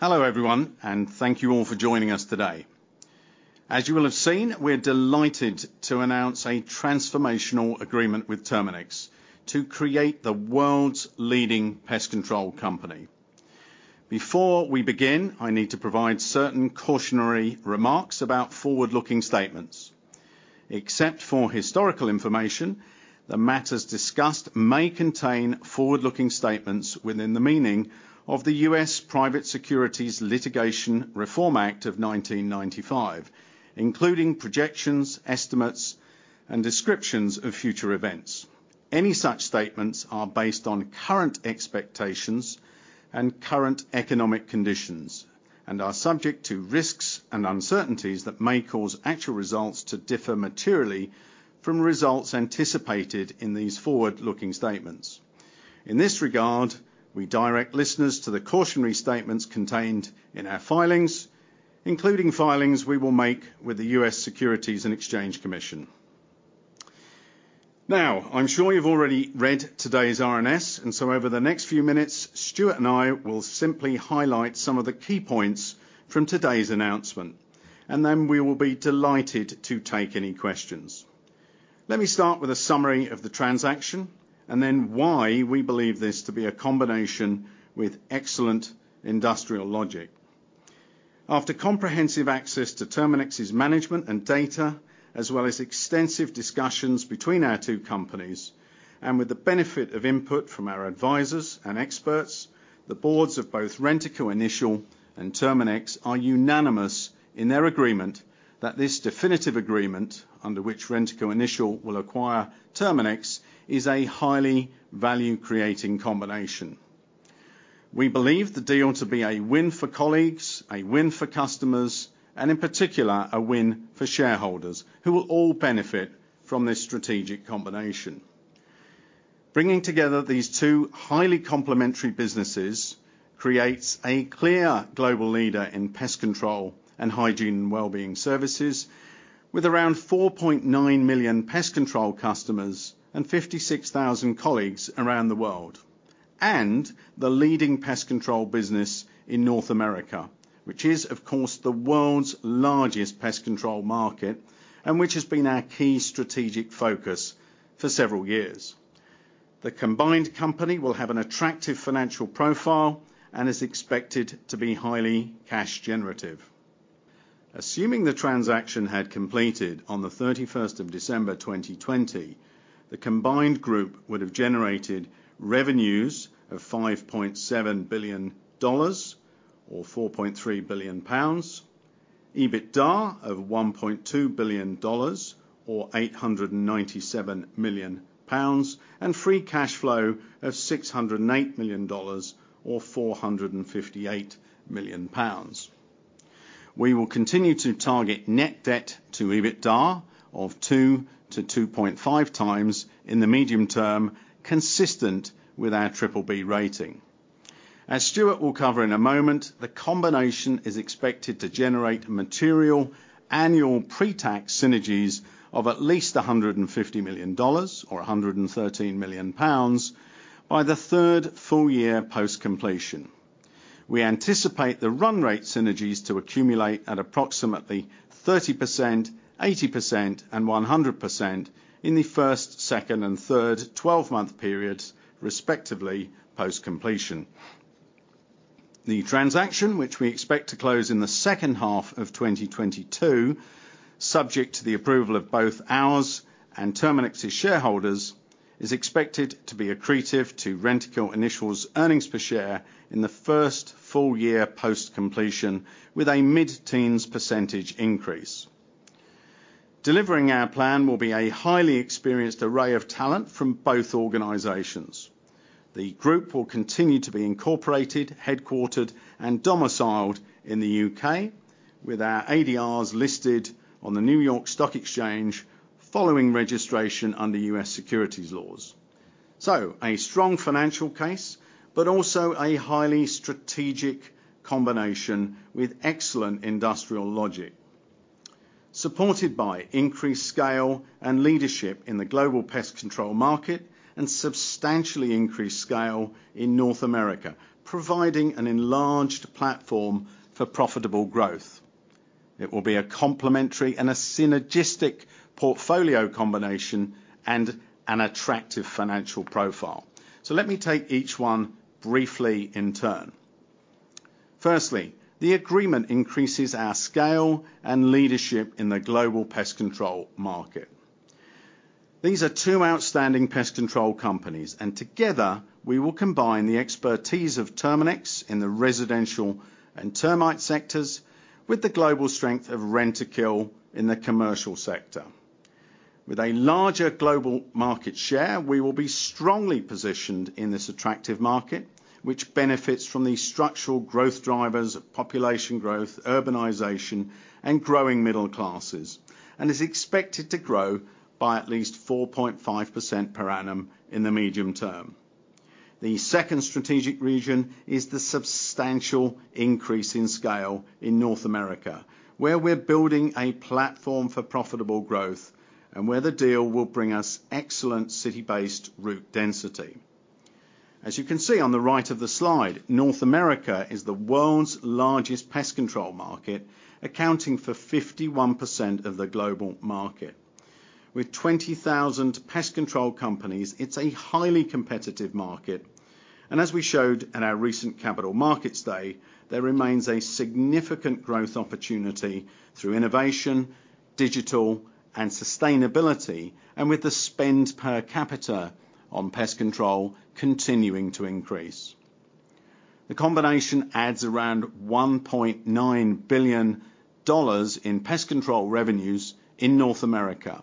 Hello everyone, and thank you all for joining us today. As you will have seen, we're delighted to announce a transformational agreement with Terminix to create the world's leading pest control company. Before we begin, I need to provide certain cautionary remarks about forward-looking statements. Except for historical information, the matters discussed may contain forward-looking statements within the meaning of the U.S. Private Securities Litigation Reform Act of 1995, including projections, estimates, and descriptions of future events. Any such statements are based on current expectations and current economic conditions, and are subject to risks and uncertainties that may cause actual results to differ materially from results anticipated in these forward-looking statements. In this regard, we direct listeners to the cautionary statements contained in our filings, including filings we will make with the U.S. Securities and Exchange Commission. Now, I'm sure you've already read today's RNS, and so over the next few minutes, Stuart and I will simply highlight some of the key points from today's announcement, and then we will be delighted to take any questions. Let me start with a summary of the transaction, and then why we believe this to be a combination with excellent industrial logic. After comprehensive access to Terminix's management and data, as well as extensive discussions between our two companies, and with the benefit of input from our advisors and experts, the boards of both Rentokil Initial and Terminix are unanimous in their agreement that this definitive agreement, under which Rentokil Initial will acquire Terminix, is a highly value-creating combination. We believe the deal to be a win for colleagues, a win for customers, and in particular, a win for shareholders, who will all benefit from this strategic combination. Bringing together these two highly complementary businesses creates a clear global leader in pest control and hygiene and wellbeing services with around 4.9 million pest control customers and 56,000 colleagues around the world. The leading pest control business in North America, which is, of course, the world's largest pest control market, and which has been our key strategic focus for several years. The combined company will have an attractive financial profile and is expected to be highly cash generative. Assuming the transaction had completed on the 31 December, 2020, the combined group would have generated revenues of $5.7 billion or GBP 4.3 billion, EBITDA of $1.2 billion or GBP 897 million, and free cash flow of $608 million or GBP 458 million. We will continue to target net debt to EBITDA of 2-2.5 times in the medium term, consistent with our BBB rating. As Stuart will cover in a moment, the combination is expected to generate material annual pre-tax synergies of at least $150 million or 113 million pounds by the third full year post-completion. We anticipate the run-rate synergies to accumulate at approximately 30%, 80%, and 100% in the first, second, and third twelve-month periods, respectively, post-completion. The transaction, which we expect to close in the second half of 2022, subject to the approval of both our and Terminix's shareholders, is expected to be accretive to Rentokil Initial's earnings per share in the first full year post-completion with a mid-teens % increase. Delivering our plan will be a highly experienced array of talent from both organizations. The group will continue to be incorporated, headquartered, and domiciled in the U.K. with our ADRs listed on the New York Stock Exchange following registration under U.S. securities laws. A strong financial case, but also a highly strategic combination with excellent industrial logic, supported by increased scale and leadership in the global pest control market and substantially increased scale in North America, providing an enlarged platform for profitable growth. It will be a complementary and a synergistic portfolio combination and an attractive financial profile. Let me take each one briefly in turn. Firstly, the agreement increases our scale and leadership in the global pest control market. These are two outstanding pest control companies, and together, we will combine the expertise of Terminix in the residential and termite sectors with the global strength of Rentokil in the commercial sector. With a larger global market share, we will be strongly positioned in this attractive market, which benefits from the structural growth drivers, population growth, urbanization, and growing middle classes, and is expected to grow by at least 4.5% per annum in the medium term. The second strategic region is the substantial increase in scale in North America, where we're building a platform for profitable growth. Where the deal will bring us excellent city-based route density. As you can see on the right of the slide, North America is the world's largest pest control market, accounting for 51% of the global market. With 20,000 pest control companies, it's a highly competitive market, and as we showed at our recent Capital Markets Day, there remains a significant growth opportunity through innovation, digital, and sustainability, and with the spend per capita on pest control continuing to increase. The combination adds around $1.9 billion in pest control revenues in North America,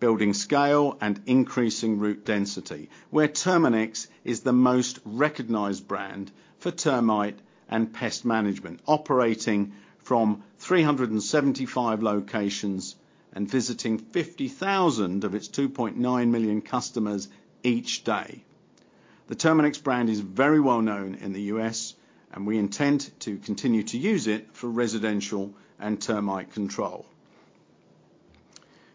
building scale and increasing route density, where Terminix is the most recognized brand for termite and pest management, operating from 375 locations and visiting 50,000 of its 2.9 million customers each day. The Terminix brand is very well known in the U.S., and we intend to continue to use it for residential and termite control.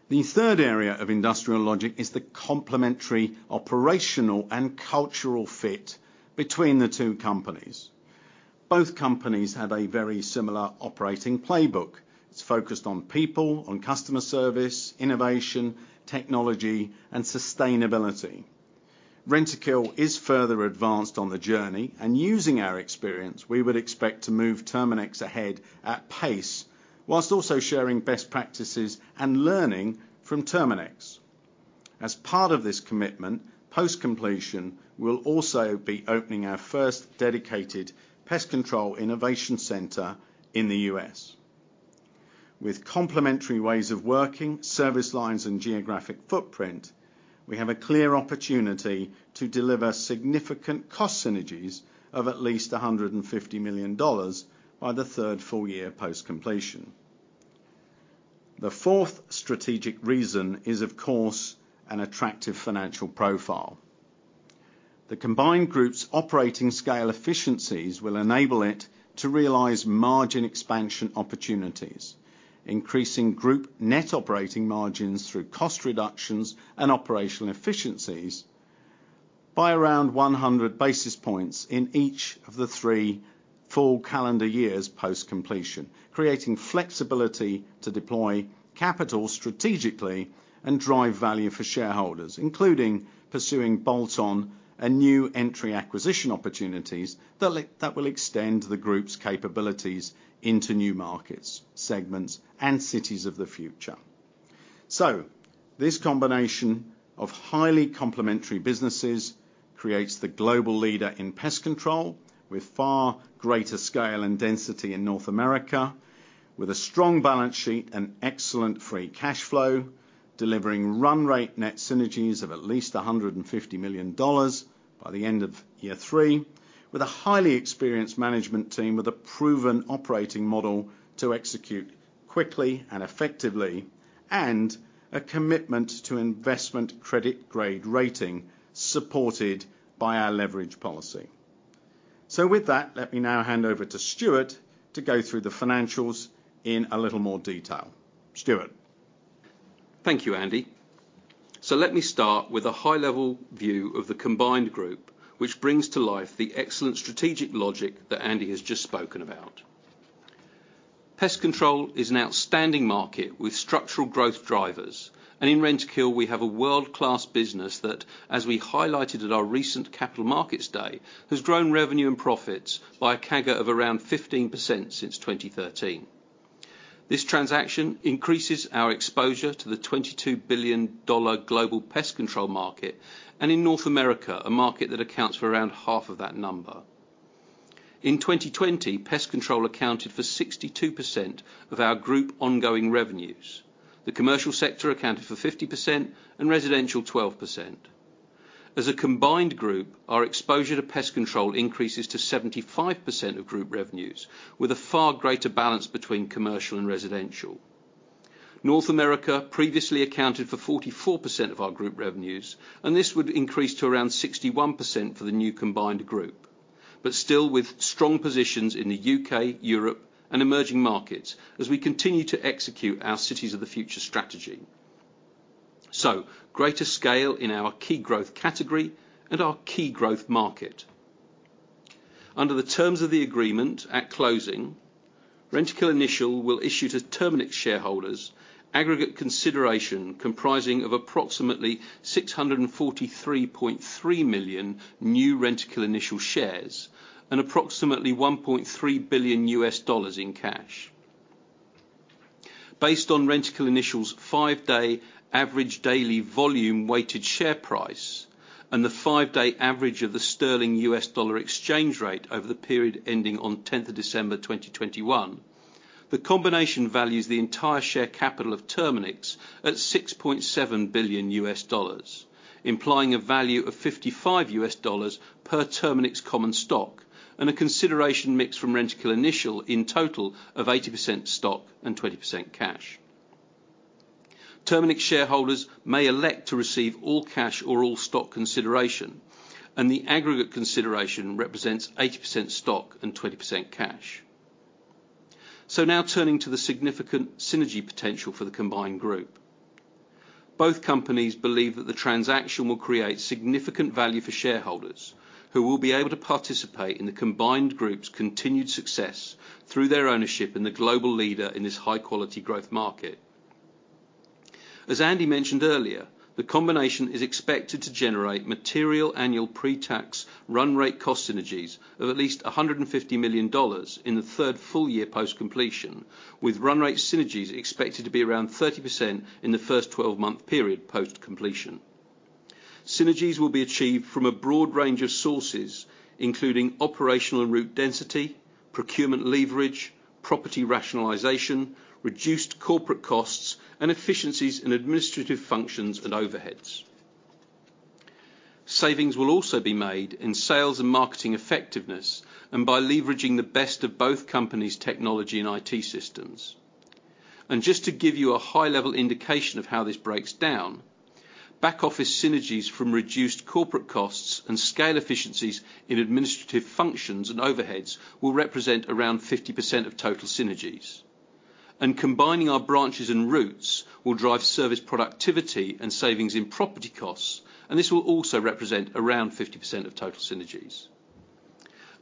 The third area of industrial logic is the complementary operational and cultural fit between the two companies. Both companies have a very similar operating playbook. It's focused on people, on customer service, innovation, technology, and sustainability. Rentokil is further advanced on the journey, and using our experience, we would expect to move Terminix ahead at pace, while also sharing best practices and learning from Terminix. As part of this commitment, post-completion, we'll also be opening our first dedicated pest control innovation center in the U.S. With complementary ways of working, service lines, and geographic footprint, we have a clear opportunity to deliver significant cost synergies of at least $150 million by the third full year post-completion. The fourth strategic reason is, of course, an attractive financial profile. The combined group's operating scale efficiencies will enable it to realize margin expansion opportunities, increasing group net operating margins through cost reductions and operational efficiencies by around 100 basis points in each of the three full calendar years post-completion. Creating flexibility to deploy capital strategically and drive value for shareholders, including pursuing bolt-on and new entry acquisition opportunities that will extend the group's capabilities into new markets, segments, and cities of the future. This combination of highly complementary businesses creates the global leader in pest control with far greater scale and density in North America, with a strong balance sheet and excellent free cash flow, delivering run rate net synergies of at least $150 million by the end of year three, with a highly experienced management team with a proven operating model to execute quickly and effectively, and a commitment to investment-grade credit rating supported by our leverage policy. With that, let me now hand over to Stuart to go through the financials in a little more detail. Stuart? Thank you, Andy. Let me start with a high-level view of the combined group, which brings to life the excellent strategic logic that Andy has just spoken about. Pest control is an outstanding market with structural growth drivers. In Rentokil, we have a world-class business that, as we highlighted at our recent Capital Markets Day, has grown revenue and profits by a CAGR of around 15% since 2013. This transaction increases our exposure to the $22 billion global pest control market, and in North America, a market that accounts for around half of that number. In 2020, pest control accounted for 62% of our group ongoing revenues. The commercial sector accounted for 50% and residential 12%. As a combined group, our exposure to pest control increases to 75% of group revenues, with a far greater balance between commercial and residential. North America previously accounted for 44% of our group revenues, and this would increase to around 61% for the new combined group. Still with strong positions in the U.K., Europe, and emerging markets as we continue to execute our cities of the future strategy. Greater scale in our key growth category and our key growth market. Under the terms of the agreement at closing, Rentokil Initial will issue to Terminix shareholders aggregate consideration comprising of approximately 643.3 million new Rentokil Initial shares and approximately $1.3 billion in cash. Based on Rentokil Initial's 5-day average daily volume weighted share price and the five-day average of the sterling U.S. dollar exchange rate over the period ending on 10th of December, 2021, the combination values the entire share capital of Terminix at $6.7 billion, implying a value of $55 per Terminix common stock and a consideration mix from Rentokil Initial in total of 80% stock and 20% cash. Terminix shareholders may elect to receive all cash or all stock consideration, and the aggregate consideration represents 80% stock and 20% cash. Now turning to the significant synergy potential for the combined group. Both companies believe that the transaction will create significant value for shareholders, who will be able to participate in the combined group's continued success through their ownership in the global leader in this high-quality growth market. As Andy mentioned earlier, the combination is expected to generate material annual pre-tax run rate cost synergies of at least $150 million in the third full year post-completion, with run rate synergies expected to be around 30% in the first 12-month period post-completion. Synergies will be achieved from a broad range of sources, including operational and route density, procurement leverage, property rationalization, reduced corporate costs, and efficiencies in administrative functions and overheads. Savings will also be made in sales and marketing effectiveness, and by leveraging the best of both companies' technology and IT systems. Just to give you a high level indication of how this breaks down, back-office synergies from reduced corporate costs and scale efficiencies in administrative functions and overheads will represent around 50% of total synergies. Combining our branches and routes will drive service productivity and savings in property costs, and this will also represent around 50% of total synergies.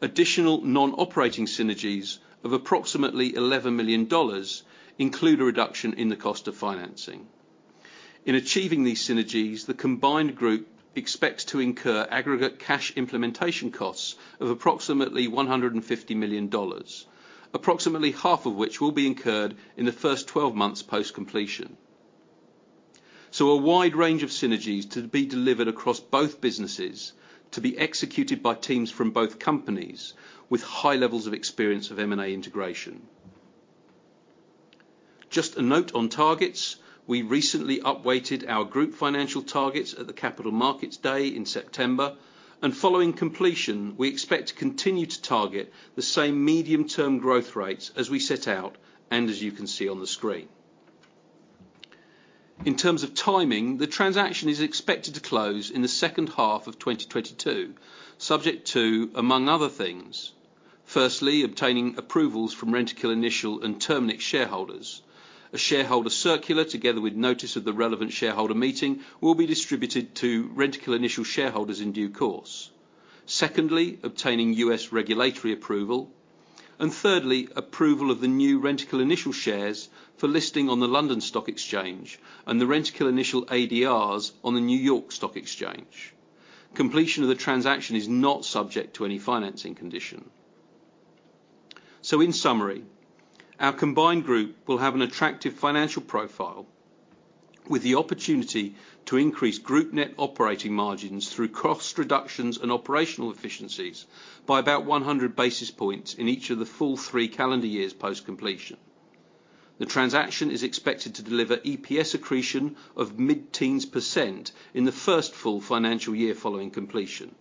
Additional non-operating synergies of approximately $11 million include a reduction in the cost of financing. In achieving these synergies, the combined group expects to incur aggregate cash implementation costs of approximately $150 million, approximately half of which will be incurred in the first 12 months post-completion. A wide range of synergies to be delivered across both businesses, to be executed by teams from both companies with high levels of experience of M&A integration. Just a note on targets, we recently up-weighted our group financial targets at the Capital Markets Day in September. Following completion, we expect to continue to target the same medium-term growth rates as we set out, and as you can see on the screen. In terms of timing, the transaction is expected to close in the second half of 2022, subject to, among other things, firstly, obtaining approvals from Rentokil Initial and Terminix shareholders. A shareholder circular, together with notice of the relevant shareholder meeting, will be distributed to Rentokil Initial shareholders in due course. Secondly, obtaining U.S. regulatory approval. Thirdly, approval of the new Rentokil Initial shares for listing on the London Stock Exchange, and the Rentokil Initial ADRs on the New York Stock Exchange. Completion of the transaction is not subject to any financing condition. In summary, our combined group will have an attractive financial profile with the opportunity to increase group net operating margins through cost reductions and operational efficiencies by about 100 basis points in each of the full three calendar years post-completion. The transaction is expected to deliver EPS accretion of mid-teens% in the first full financial year following completion.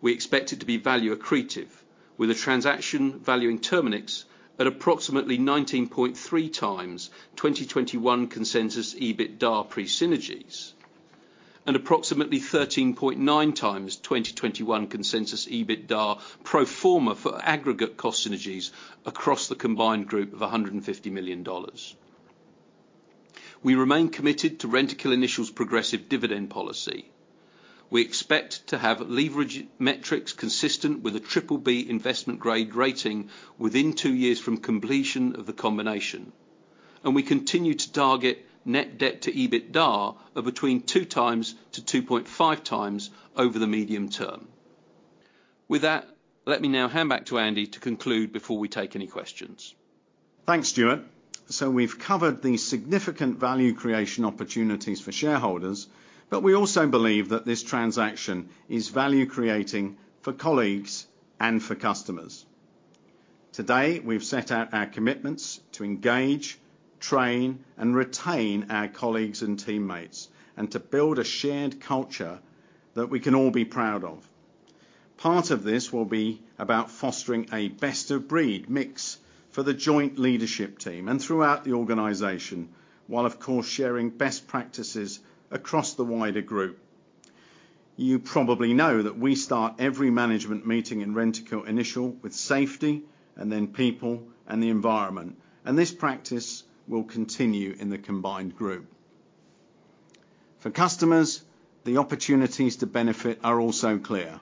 We expect it to be value accretive, with a transaction value in Terminix at approximately 19.3x 2021 consensus EBITDA pre synergies, and approximately 13.9x 2021 consensus EBITDA pro-forma for aggregate cost synergies across the combined group of $150 million. We remain committed to Rentokil Initial's progressive dividend policy. We expect to have leverage metrics consistent with a BBB investment grade rating within two years from completion of the combination. We continue to target net debt to EBITDA of between 2x-2.5x over the medium term. With that, let me now hand back to Andy to conclude before we take any questions. Thanks, Stuart. We've covered the significant value creation opportunities for shareholders, but we also believe that this transaction is value creating for colleagues and for customers. Today, we've set out our commitments to engage, train, and retain our colleagues and teammates, and to build a shared culture that we can all be proud of. Part of this will be about fostering a best-of-breed mix for the joint leadership team, and throughout the organization, while of course sharing best practices across the wider group. You probably know that we start every management meeting in Rentokil Initial with safety, and then people, and the environment, and this practice will continue in the combined group. For customers, the opportunities to benefit are also clear.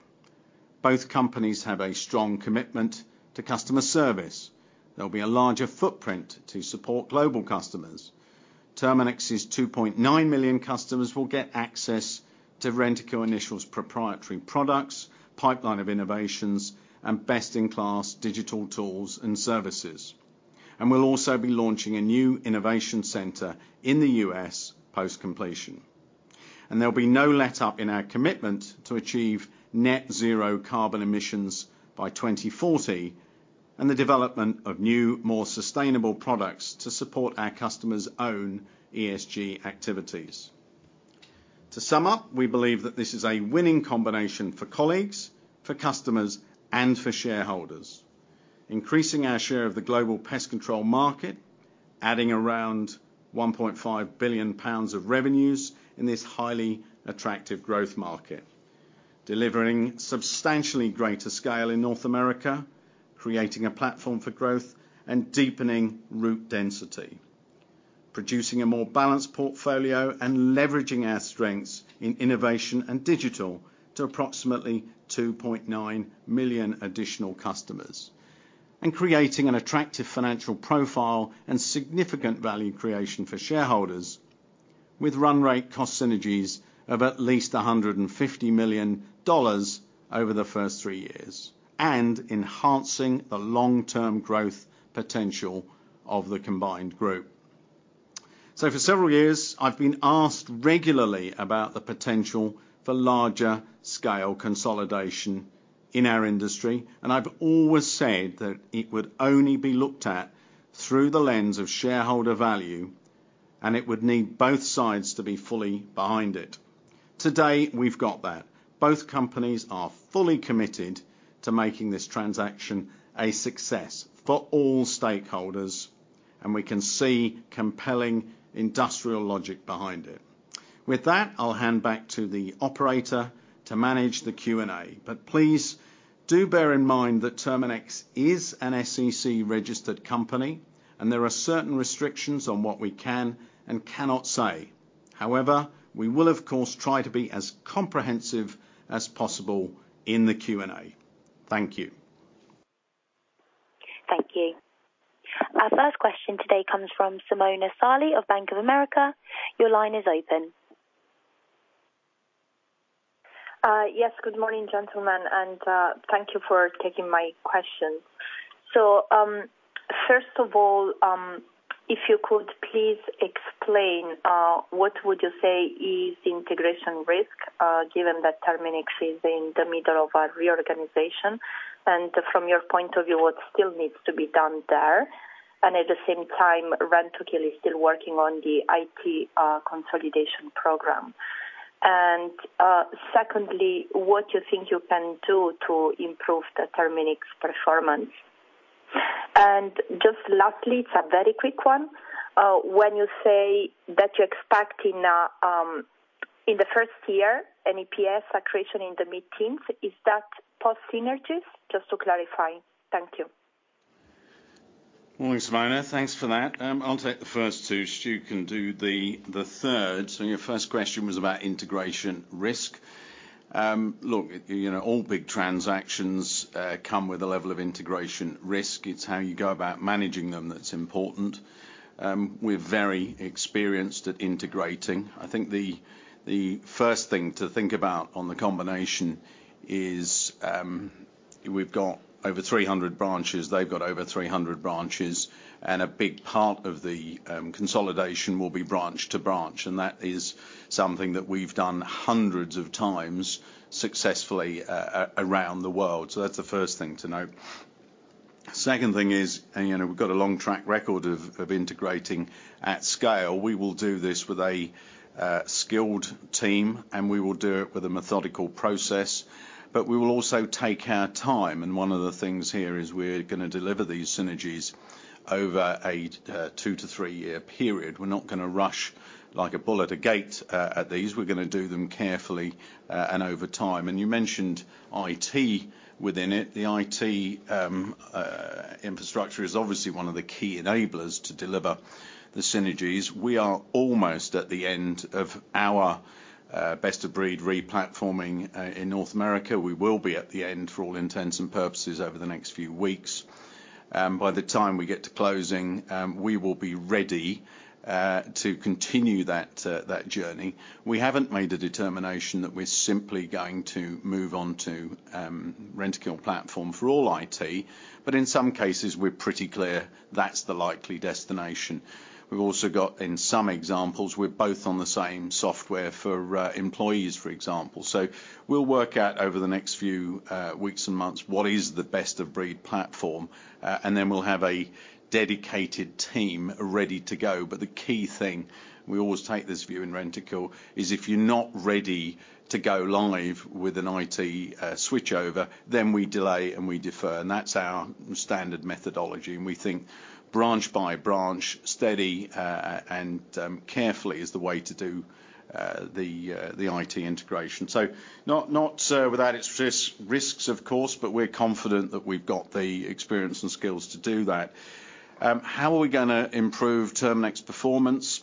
Both companies have a strong commitment to customer service. There'll be a larger footprint to support global customers. Terminix's 2.9 million customers will get access to Rentokil Initial's proprietary products, pipeline of innovations, and best-in-class digital tools and services. We'll also be launching a new innovation center in the U.S. post-completion. There'll be no letup in our commitment to achieve net zero carbon emissions by 2040, and the development of new, more sustainable products to support our customers' own ESG activities. To sum up, we believe that this is a winning combination for colleagues, for customers, and for shareholders, increasing our share of the global pest control market, adding around 1.5 billion pounds of revenues in this highly attractive growth market, delivering substantially greater scale in North America, creating a platform for growth and deepening route density, producing a more balanced portfolio and leveraging our strengths in innovation and digital to approximately 2.9 million additional customers. Creating an attractive financial profile and significant value creation for shareholders with run-rate cost synergies of at least $150 million over the first three years, and enhancing the long-term growth potential of the combined group. For several years, I've been asked regularly about the potential for larger scale consolidation in our industry, and I've always said that it would only be looked at through the lens of shareholder value, and it would need both sides to be fully behind it. Today, we've got that. Both companies are fully committed to making this transaction a success for all stakeholders, and we can see compelling industrial logic behind it. With that, I'll hand back to the operator to manage the Q&A. Please do bear in mind that Terminix is an SEC-registered company, and there are certain restrictions on what we can and cannot say. However, we will, of course, try to be as comprehensive as possible in the Q&A. Thank you. Thank you. Our first question today comes from Simona Sarli of Bank of America. Your line is open. Yes, good morning, gentlemen, and thank you for taking my question. First of all, if you could please explain what would you say is the integration risk, given that Terminix is in the middle of a reorganization, and from your point of view, what still needs to be done there? At the same time, Rentokil is still working on the IT consolidation program. Secondly, what do you think you can do to improve the Terminix performance? Just lastly, it's a very quick one. When you say that you're expecting in the first year an EPS accretion in the mid-teens, is that post synergies? Just to clarify. Thank you. Morning, Simona. Thanks for that. I'll take the first two. Stu can do the third. Your first question was about integration risk. Look, you know, all big transactions come with a level of integration risk. It's how you go about managing them that's important. We're very experienced at integrating. I think the first thing to think about on the combination is, we've got over 300 branches, they've got over 300 branches, and a big part of the consolidation will be branch to branch. That is something that we've done hundreds of times successfully around the world. That's the first thing to note. Second thing is, you know, we've got a long track record of integrating at scale. We will do this with a skilled team, and we will do it with a methodical process, but we will also take our time. One of the things here is we're gonna deliver these synergies over a two to three year period. We're not gonna rush like a bull at a gate at these. We're gonna do them carefully and over time. You mentioned IT within it. The IT infrastructure is obviously one of the key enablers to deliver the synergies. We are almost at the end of our best of breed replatforming in North America. We will be at the end for all intents and purposes over the next few weeks. By the time we get to closing, we will be ready to continue that journey. We haven't made a determination that we're simply going to move on to Rentokil platform for all IT, but in some cases, we're pretty clear that's the likely destination. We've also got, in some examples, we're both on the same software for employees, for example. We'll work out over the next few weeks and months, what is the best of breed platform, and then we'll have a dedicated team ready to go. The key thing, we always take this view in Rentokil, is if you're not ready to go live with an IT switchover, then we delay and we defer, and that's our standard methodology. We think branch by branch, steady, and carefully is the way to do the IT integration. Not without its risks, of course, but we're confident that we've got the experience and skills to do that. How are we gonna improve Terminix performance?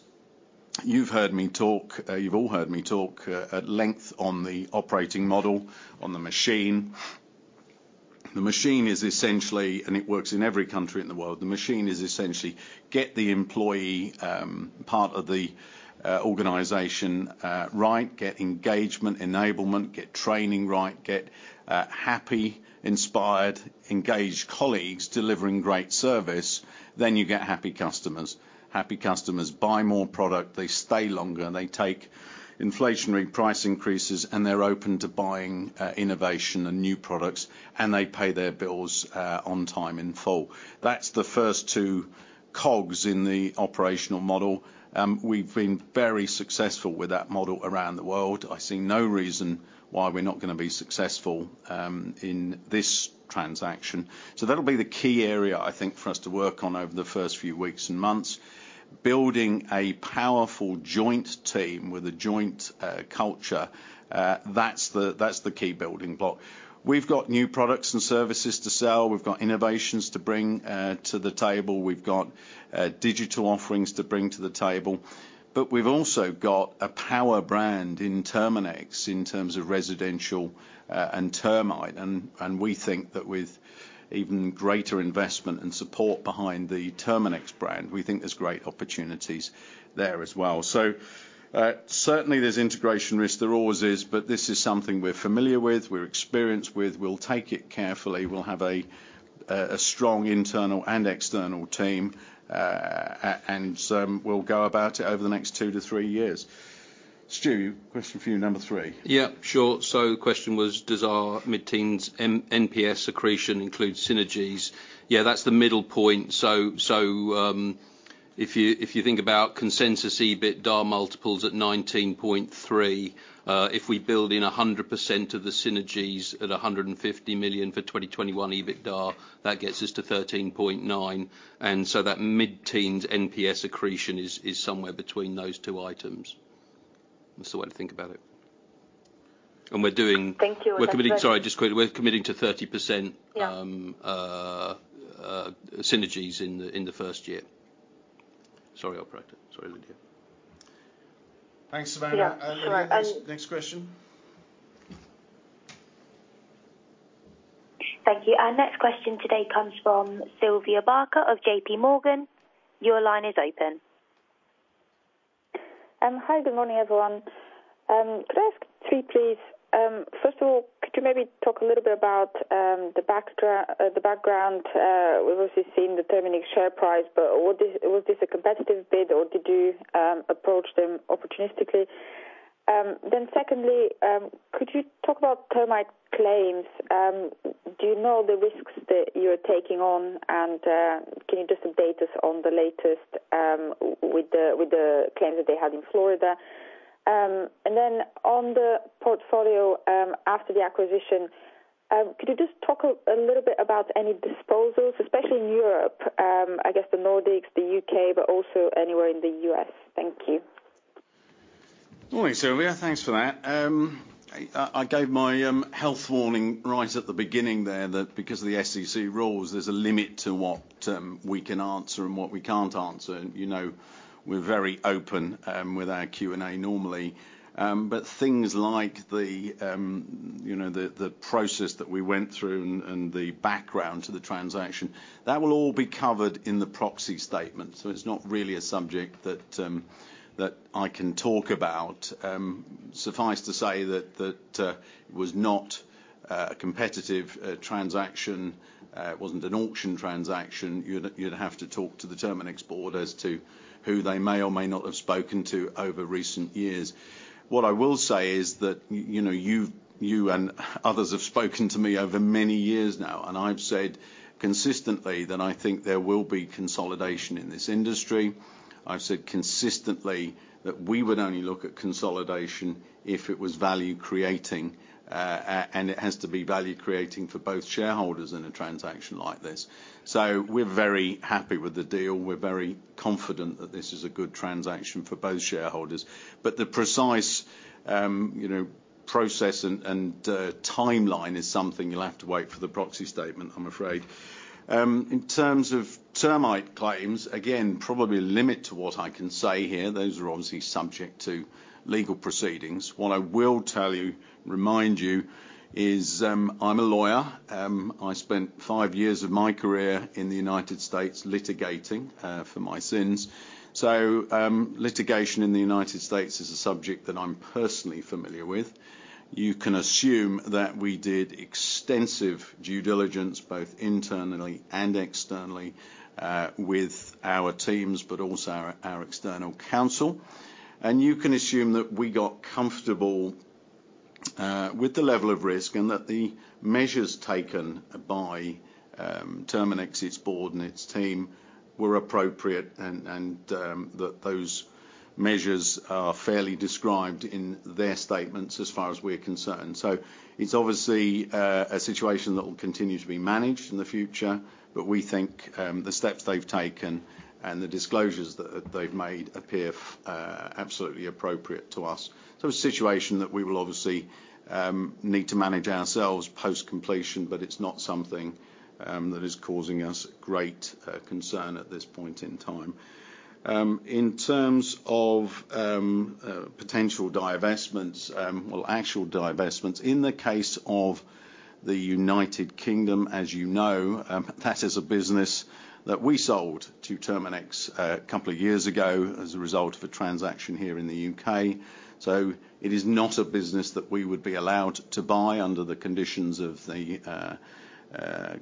You've all heard me talk at length on the operating model, on the machine. The machine is essentially, and it works in every country in the world, get the employee part of the organization right. Get engagement, enablement. Get training right. Get happy, inspired, engaged colleagues delivering great service. Then you get happy customers. Happy customers buy more product. They stay longer. They take inflationary price increases, and they're open to buying innovation and new products, and they pay their bills on time in full. That's the first two cogs in the operational model. We've been very successful with that model around the world. I see no reason why we're not gonna be successful in this transaction. That'll be the key area I think for us to work on over the first few weeks and months. Building a powerful joint team with a joint culture, that's the key building block. We've got new products and services to sell. We've got innovations to bring to the table. We've got digital offerings to bring to the table. But we've also got a powerful brand in Terminix in terms of residential and termite. We think that with even greater investment and support behind the Terminix brand, we think there's great opportunities there as well. Certainly there's integration risk. There always is, but this is something we're familiar with, we're experienced with. We'll take it carefully. We'll have a strong internal and external team. Some will go about it over the next two to three years. Stu, question for you, number 3. Yeah, sure. The question was, does our mid-teens EPS accretion include synergies? Yeah, that's the middle point. If you think about consensus EBITDA multiples at 19.3x, if we build in 100% of the synergies at $150 million for 2021 EBITDA, that gets us to 13.9. That mid-teens EPS accretion is somewhere between those two items. That's the way to think about it. We're doing- Thank you very much. We're committing to 30%- Yeah synergies in the first year. Sorry, operator. Sorry, Lydia. Thanks, Lydia. Yeah. All right. Next question. Thank you. Our next question today comes from Sylvia Barker of JPMorgan. Your line is open. Hi, good morning, everyone. Could I ask three, please? First of all, could you maybe talk a little bit about the background? We've obviously seen the Terminix share price, but was this a competitive bid, or did you approach them opportunistically? Secondly, could you talk about termite claims? Do you know the risks that you're taking on? Can you just update us on the latest with the claims that they had in Florida? On the portfolio, after the acquisition, could you just talk a little bit about any disposals, especially in Europe? I guess the Nordics, the U.K., but also anywhere in the U.S. Thank you. Morning, Sylvia. Thanks for that. I gave my health warning right at the beginning there that because of the SEC rules, there's a limit to what we can answer and what we can't answer. You know, we're very open with our Q&A normally. Things like you know the process that we went through and the background to the transaction, that will all be covered in the proxy statement. It's not really a subject that I can talk about. Suffice to say that it was not a competitive transaction. It wasn't an auction transaction. You'd have to talk to the Terminix board as to who they may or may not have spoken to over recent years. What I will say is that you and others have spoken to me over many years now, and I've said consistently that I think there will be consolidation in this industry. I've said consistently that we would only look at consolidation if it was value creating, and it has to be value creating for both shareholders in a transaction like this. We're very happy with the deal. We're very confident that this is a good transaction for both shareholders. But the precise process and timeline is something you'll have to wait for the proxy statement, I'm afraid. In terms of termite claims, again, probably a limit to what I can say here. Those are obviously subject to legal proceedings. What I will tell you, remind you, is I'm a lawyer. I spent five years of my career in the United States litigating, for my sins. Litigation in the United States is a subject that I'm personally familiar with. You can assume that we did extensive due diligence, both internally and externally, with our teams, but also our external counsel. You can assume that we got comfortable with the level of risk, and that the measures taken by Terminix, its board and its team were appropriate and that those measures are fairly described in their statements as far as we're concerned. It's obviously a situation that will continue to be managed in the future, but we think the steps they've taken and the disclosures that they've made appear absolutely appropriate to us. A situation that we will obviously need to manage ourselves post-completion, but it's not something that is causing us great concern at this point in time. In terms of potential divestments, well, actual divestments, in the case of the United Kingdom, as you know, that is a business that we sold to Terminix a couple of years ago as a result of a transaction here in the U.K. It is not a business that we would be allowed to buy under the conditions of the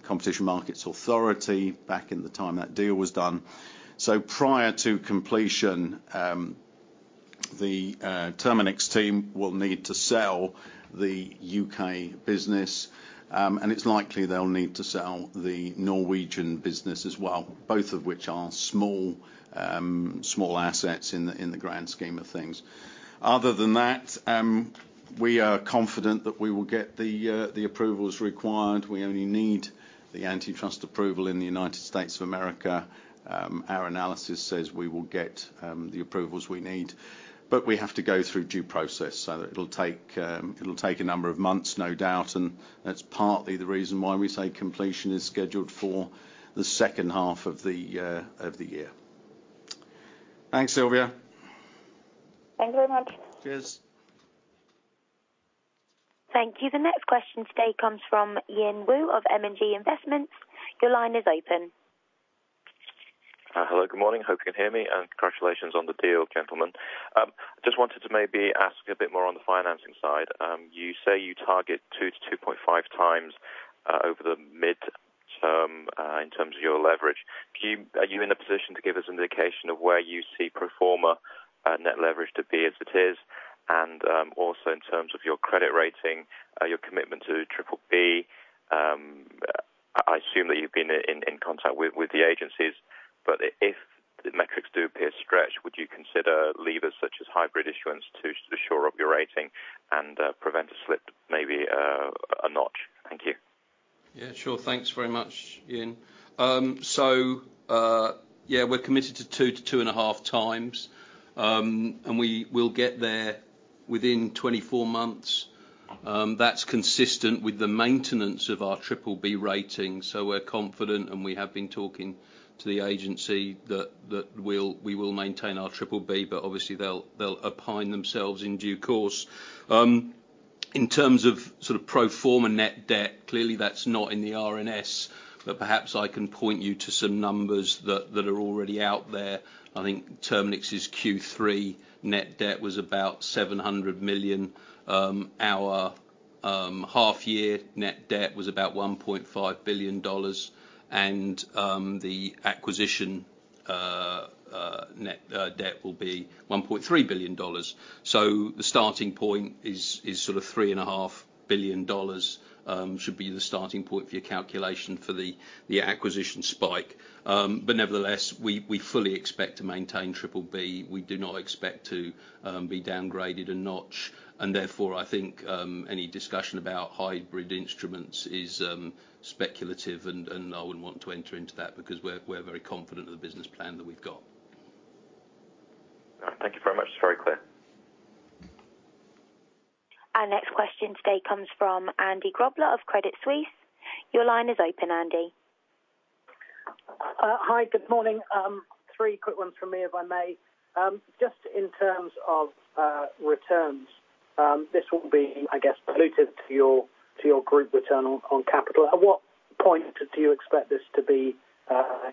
Competition and Markets Authority back in the time that deal was done. Prior to completion, the Terminix team will need to sell the U.K. business, and it's likely they'll need to sell the Norwegian business as well, both of which are small assets in the grand scheme of things. Other than that, We are confident that we will get the approvals required. We only need the antitrust approval in the United States of America. Our analysis says we will get the approvals we need. We have to go through due process, so it'll take a number of months, no doubt, and that's partly the reason why we say completion is scheduled for the second half of the year. Thanks, Sylvia. Thank you very much. Cheers. Thank you. The next question today comes from Yin Wu of M&G Investments. Your line is open. Hello, good morning. Hope you can hear me, and congratulations on the deal, gentlemen. Just wanted to maybe ask a bit more on the financing side. You say you target 2-2.5 times over the mid-term in terms of your leverage. Are you in a position to give us an indication of where you see pro-forma net leverage to be as it is? Also in terms of your credit rating, your commitment to BBB, I assume that you've been in contact with the agencies. But if the metrics do appear stretched, would you consider levers such as hybrid issuance to shore up your rating and prevent a slip, maybe, a notch? Thank you. Yeah, sure. Thanks very much, Yin. So, yeah, we're committed to 2-2.5 times. We will get there within 24 months. That's consistent with the maintenance of our BBB rating, so we're confident, and we have been talking to the agency that we'll maintain our BBB. Obviously they'll opine themselves in due course. In terms of sort of pro-forma net debt, clearly that's not in the RNS, but perhaps I can point you to some numbers that are already out there. I think Terminix's Q3 net debt was about $700 million. Our half year net debt was about $1.5 billion and the acquisition net debt will be $1.3 billion. The starting point is sort of $3.5 billion should be the starting point for your calculation for the acquisition price. Nevertheless, we fully expect to maintain BBB. We do not expect to be downgraded a notch. Therefore, I think any discussion about hybrid instruments is speculative, and I wouldn't want to enter into that because we're very confident in the business plan that we've got. Thank you very much. It's very clear. Our next question today comes from Andy Grobler of Credit Suisse. Your line is open, Andy. Hi, good morning. Three quick ones from me, if I may. Just in terms of returns, this will be, I guess, dilutive to your group return on capital. At what point do you expect this to be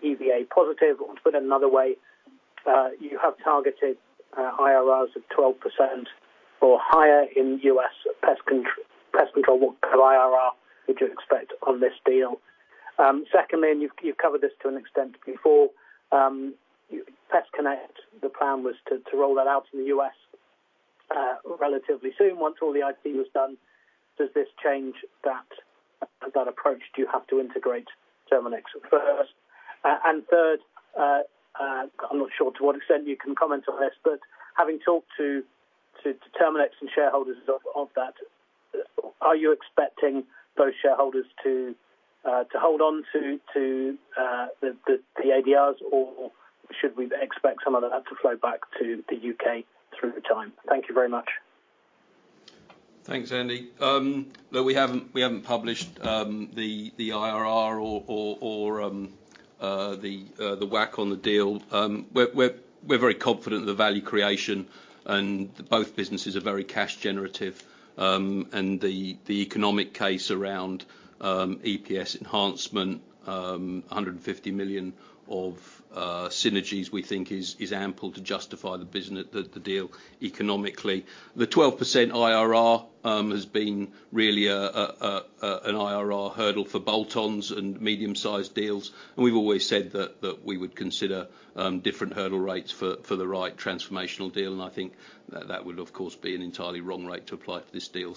EVA positive? Or to put it another way, you have targeted IRRs of 12% or higher in U.S. pest control. What IRR would you expect on this deal? Secondly, you've covered this to an extent before, PestConnect, the plan was to roll that out in the U.S. relatively soon once all the IT was done. Does this change that approach? Do you have to integrate Terminix first? Third, I'm not sure to what extent you can comment on this, but having talked to Terminix and shareholders of that, are you expecting those shareholders to hold on to the ADRs, or should we expect some of that to flow back to the U.K. through time? Thank you very much. Thanks, Andy. Look, we haven't published the IRR or the WACC on the deal. We're very confident in the value creation, and both businesses are very cash generative. The economic case around EPS enhancement, 150 million of synergies we think is ample to justify the deal economically. The 12% IRR has been really an IRR hurdle for bolt-ons and medium-sized deals. We've always said that we would consider different hurdle rates for the right transformational deal. I think that would of course be an entirely wrong rate to apply for this deal.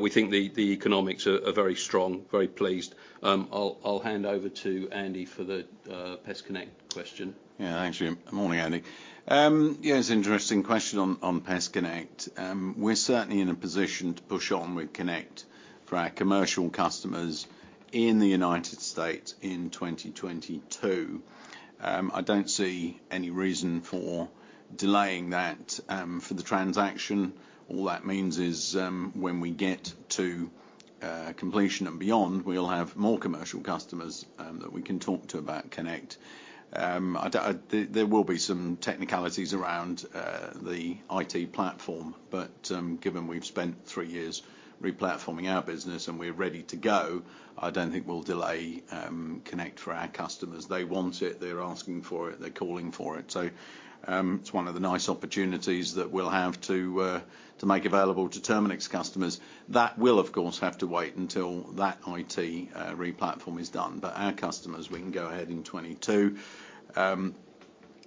We think the economics are very strong, very pleased. I'll hand over to Andy for the PestConnect question. Yeah. Thanks, Jim. Morning, Andy. Yeah, it's an interesting question on PestConnect. We're certainly in a position to push on with Connect for our commercial customers in the United States in 2022. I don't see any reason for delaying that for the transaction. All that means is when we get to completion and beyond, we'll have more commercial customers that we can talk to about Connect. There will be some technicalities around the IT platform, but given we've spent three years re-platforming our business and we're ready to go, I don't think we'll delay Connect for our customers. They want it. They're asking for it. They're calling for it. It's one of the nice opportunities that we'll have to make available to Terminix customers. That will, of course, have to wait until that IT re-platform is done. Our customers, we can go ahead in 2022.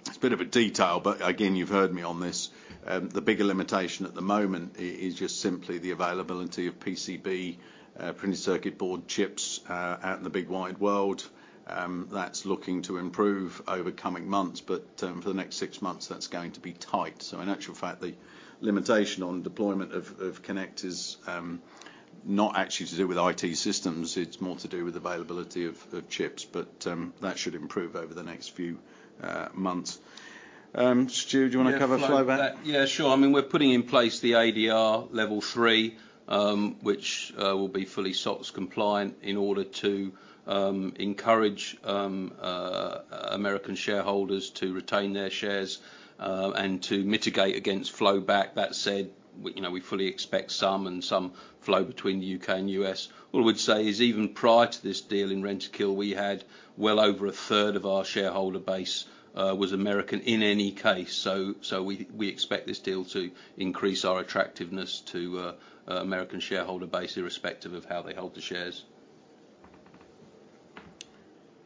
It's a bit of a detail, but again, you've heard me on this. The bigger limitation at the moment is just simply the availability of PCB printed circuit board chips out in the big wide world. That's looking to improve over coming months, but for the next six months, that's going to be tight. In actual fact, the limitation on deployment of Connect is not actually to do with IT systems, it's more to do with availability of chips. That should improve over the next few months. Stu, do you wanna cover flowback? Yeah, flowback. Yeah, sure. I mean, we're putting in place the ADR Level III, which will be fully SOX compliant in order to encourage American shareholders to retain their shares and to mitigate against flowback. That said, you know, we fully expect some flow between the U.K. and U.S. What I would say is even prior to this deal in Rentokil, we had well over a third of our shareholder base was American in any case. We expect this deal to increase our attractiveness to American shareholder base, irrespective of how they hold the shares.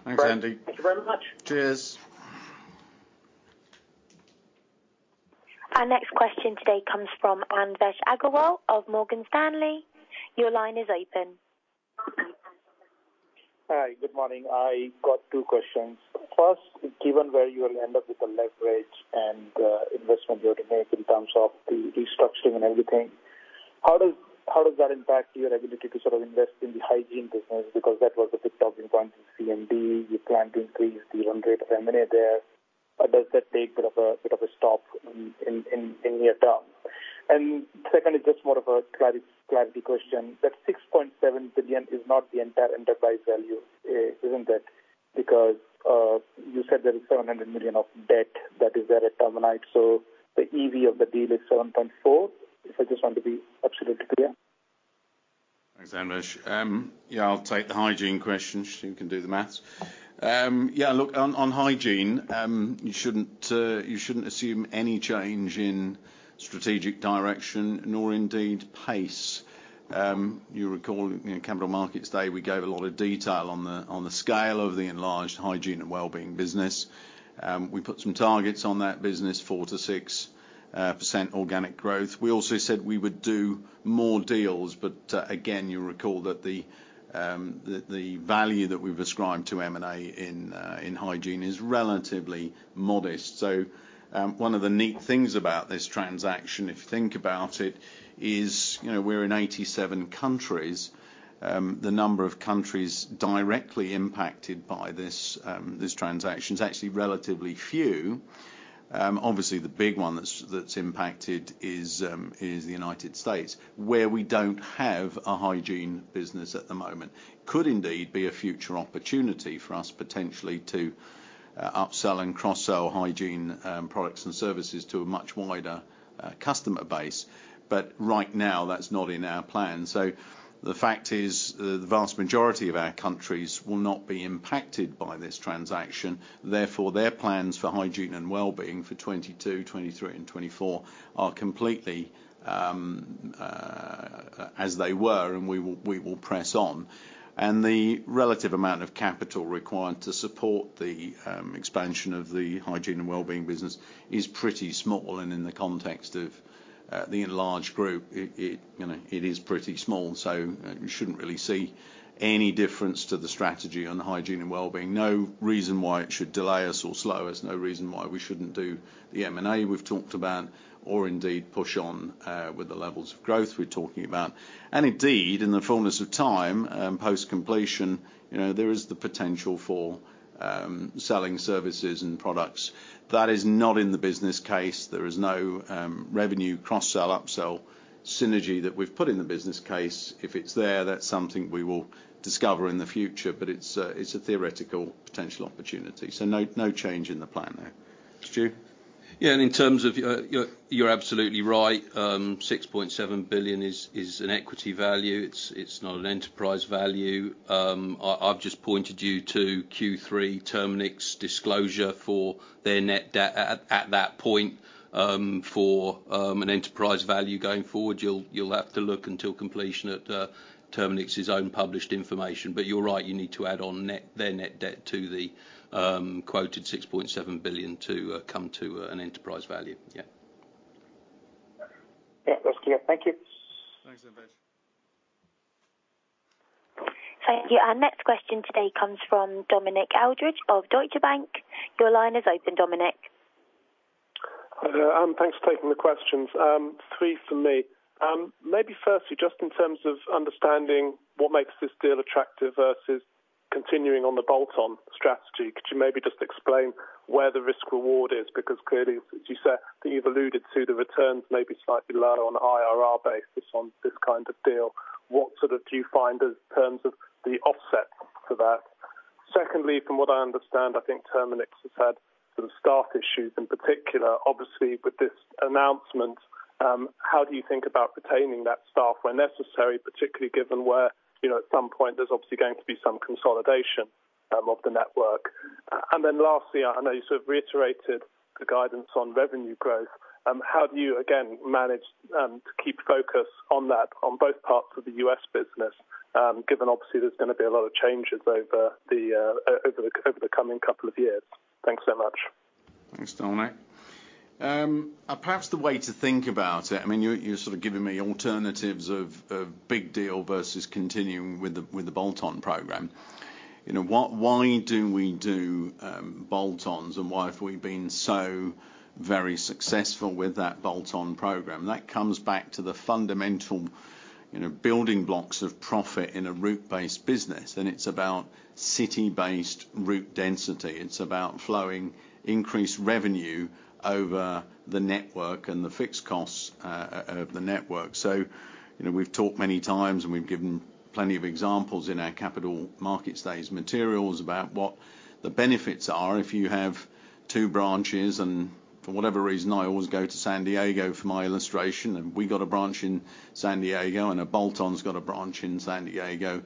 Thanks, Andy. Thank you very much. Cheers. Our next question today comes from Anvesh Agrawal of Morgan Stanley. Your line is open. Hi, good morning. I got two questions. First, given where you will end up with the leverage and investment you have to make in terms of the restructuring and everything, how does that impact your ability to sort of invest in the hygiene business? Because that was a big talking point in CMD. You plan to increase the run rate of M&A there. Does that take a bit of a stop in the near term? Secondly, just more of a clarity question. That $6.7 billion is not the entire enterprise value, isn't it? Because you said there is $700 million of debt that is there at Terminix. The EV of the deal is $7.4 billion, if I just want to be absolutely clear. Thanks, Anvesh. I'll take the hygiene question. Stu can do the math. Look, on hygiene, you shouldn't assume any change in strategic direction, nor indeed pace. You recall, you know, Capital Markets Day, we gave a lot of detail on the scale of the enlarged hygiene & wellbeing business. We put some targets on that business, 4%-6% organic growth. We also said we would do more deals. Again, you'll recall that the value that we've ascribed to M&A in hygiene is relatively modest. One of the neat things about this transaction, if you think about it, is, you know, we're in 87 countries. The number of countries directly impacted by this transaction's actually relatively few. Obviously the big one that's impacted is the United States, where we don't have a hygiene business at the moment. It could indeed be a future opportunity for us potentially to upsell and cross-sell hygiene products and services to a much wider customer base. But right now, that's not in our plan. The fact is, the vast majority of our countries will not be impacted by this transaction. Therefore, their plans for Hygiene & Wellbeing for 2022, 2023, and 2024 are completely as they were, and we will press on. The relative amount of capital required to support the expansion of the hygiene & wellbeing business is pretty small. In the context of the enlarged group, you know, it is pretty small. You shouldn't really see any difference to the strategy on Hygiene & Wellbeing. No reason why it should delay us or slow us. No reason why we shouldn't do the M&A we've talked about, or indeed push on, with the levels of growth we're talking about. Indeed, in the fullness of time, post-completion, you know, there is the potential for, selling services and products. That is not in the business case. There is no, revenue cross-sell, upsell synergy that we've put in the business case. If it's there, that's something we will discover in the future. It's a theoretical potential opportunity. No, no change in the plan there. Stu? Yeah, in terms of, you're absolutely right. $6.7 billion is an equity value. It's not an enterprise value. I've just pointed you to Q3 Terminix disclosure for their net debt at that point. For an enterprise value going forward, you'll have to look until completion at Terminix's own published information. You're right. You need to add their net debt to the quoted $6.7 billion to come to an enterprise value. Yeah. Yeah, that's clear. Thank you. Thanks, Anvesh. Thank you. Our next question today comes from Dominic Edridge of Deutsche Bank. Your line is open, Dominic. Hello. Thanks for taking the questions. Three from me. Maybe firstly, just in terms of understanding what makes this deal attractive versus continuing on the bolt-on strategy, could you maybe just explain where the risk/reward is? Because clearly, as you said, that you've alluded to, the returns may be slightly lower on IRR basis on this kind of deal. What sort of do you find in terms of the offset for that? Secondly, from what I understand, I think Terminix has had some staff issues in particular, obviously with this announcement. How do you think about retaining that staff when necessary, particularly given where, you know, at some point there's obviously going to be some consolidation, of the network? And then lastly, I know you sort of reiterated the guidance on revenue growth. How do you, again, manage to keep focus on that on both parts of the U.S. business, given obviously there's gonna be a lot of changes over the coming couple of years? Thanks so much. Thanks, Dominic. Perhaps the way to think about it, I mean, you're sort of giving me alternatives of big deal versus continuing with the bolt-on program. You know, why do we do bolt-ons, and why have we been so very successful with that bolt-on program? That comes back to the fundamental, you know, building blocks of profit in a route-based business, and it's about city-based route density. It's about flowing increased revenue over the network and the fixed costs of the network. You know, we've talked many times, and we've given plenty of examples in our Capital Markets Day materials about what the benefits are if you have two branches and for whatever reason, I always go to San Diego for my illustration. We've got a branch in San Diego, and a bolt-on's got a branch in San Diego.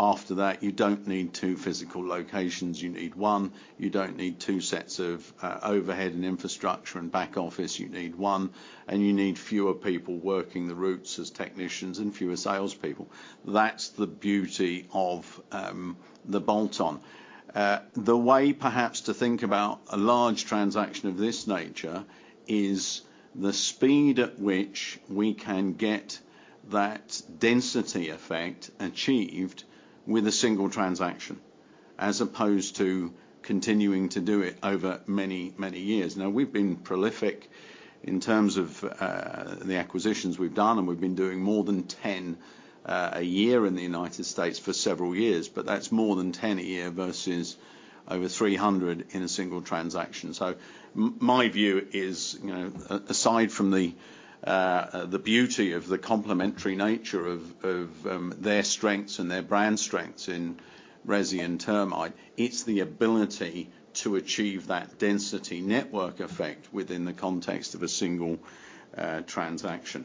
After that, you don't need two physical locations. You need one. You don't need two sets of overhead and infrastructure and back-office. You need one, and you need fewer people working the routes as technicians and fewer salespeople. That's the beauty of the bolt-on. The way perhaps to think about a large transaction of this nature is the speed at which we can get that density effect achieved with a single transaction as opposed to continuing to do it over many, many years. Now, we've been prolific in terms of the acquisitions we've done, and we've been doing more than 10 a year in the United States for several years, but that's more than 10 a year versus over 300 in a single transaction. My view is, you know, aside from the beauty of the complementary nature of their strengths and their brand strengths in resi and termite, it's the ability to achieve that density network effect within the context of a single transaction.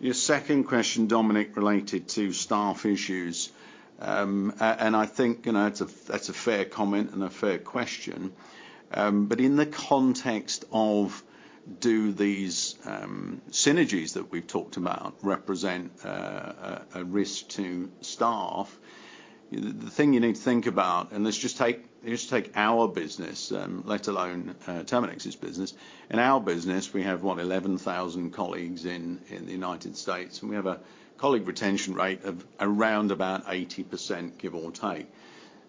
Your second question, Dominic, related to staff issues. And I think, you know, that's a fair comment and a fair question. But in the context of do these synergies that we've talked about represent a risk to staff, the thing you need to think about, and let's just take our business, let alone Terminix's business. In our business, we have, what, 11,000 colleagues in the United States, and we have a colleague retention rate of around about 80%, give or take.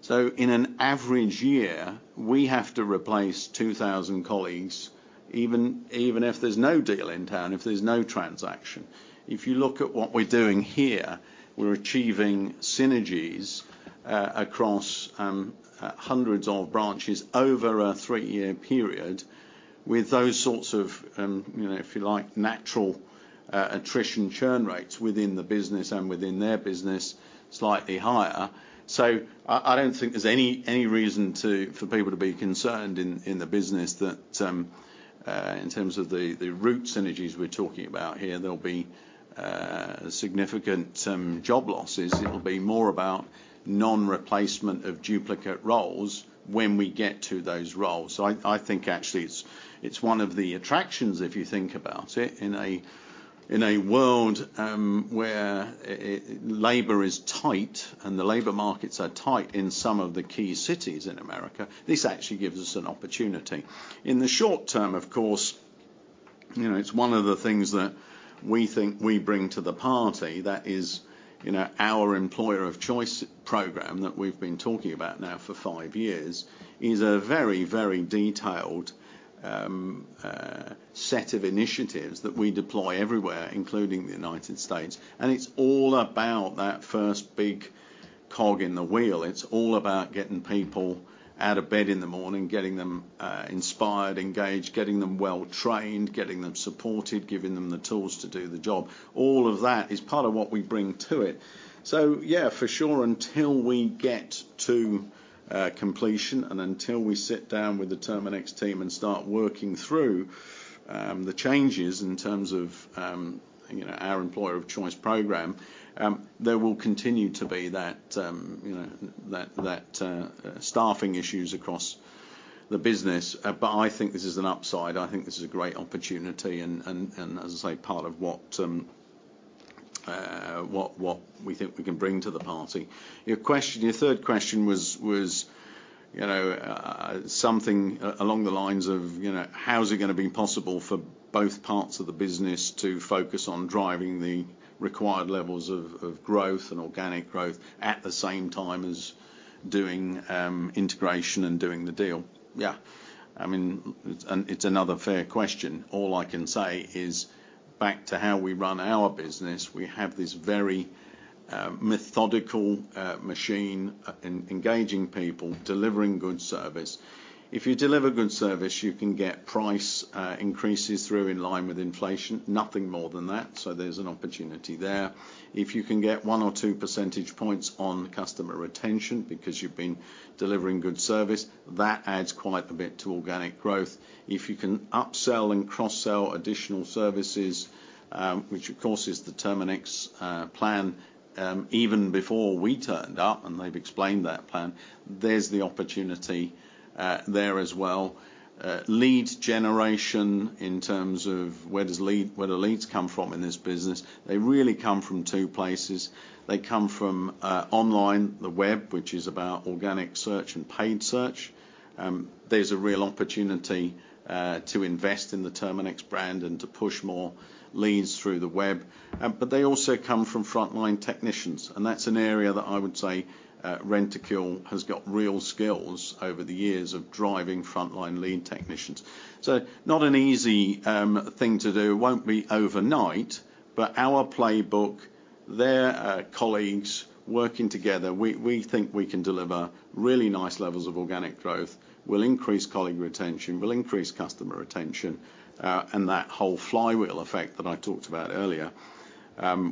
In an average year, we have to replace 2,000 colleagues, even if there's no deal in town, if there's no transaction. If you look at what we're doing here, we're achieving synergies across hundreds of branches over a three-year period with those sorts of, you know, if you like, natural attrition churn rates within the business and within their business slightly higher. I don't think there's any reason for people to be concerned in the business that, in terms of the core synergies we're talking about here, there'll be significant job losses. It'll be more about non-replacement of duplicate roles when we get to those roles. I think actually it's one of the attractions if you think about it. In a world where labor is tight and the labor markets are tight in some of the key cities in America, this actually gives us an opportunity. In the short term, of course, you know, it's one of the things that we think we bring to the party that is, you know, our employer of choice program that we've been talking about now for five years is a very, very detailed set of initiatives that we deploy everywhere, including the United States. It's all about that first big cog in the wheel. It's all about getting people out of bed in the morning, getting them inspired, engaged, getting them well-trained, getting them supported, giving them the tools to do the job. All of that is part of what we bring to it. Yeah, for sure, until we get to completion and until we sit down with the Terminix team and start working through the changes in terms of you know, our employer of choice program, there will continue to be that you know that staffing issues across the business. But I think this is an upside. I think this is a great opportunity and as I say, part of what we think we can bring to the party. Your question, your third question was you know, something along the lines of you know, how is it gonna be possible for both parts of the business to focus on driving the required levels of growth and organic growth at the same time as doing integration and doing the deal. Yeah. I mean, it's another fair question. All I can say is back to how we run our business, we have this very, methodical, machine engaging people, delivering good service. If you deliver good service, you can get price increases through in line with inflation, nothing more than that. There's an opportunity there. If you can get one or two percentage points on customer retention because you've been delivering good service, that adds quite a bit to organic growth. If you can upsell and cross-sell additional services, which of course is the Terminix plan, even before we turned up, and they've explained that plan, there's the opportunity there as well. Lead generation in terms of where the leads come from in this business, they really come from two places. They come from online, the web, which is about organic search and paid search. There's a real opportunity to invest in the Terminix brand and to push more leads through the web. They also come from frontline technicians, and that's an area that I would say Rentokil has got real skills over the years of driving frontline lead technicians. Not an easy thing to do, won't be overnight, but our playbook, their colleagues working together, we think we can deliver really nice levels of organic growth, will increase colleague retention, will increase customer retention, and that whole flywheel effect that I talked about earlier